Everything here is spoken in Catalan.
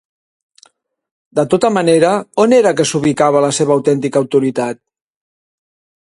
De tota manera, on era que s'ubicava la seva autèntica autoritat?